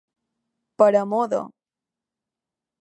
Per amor de.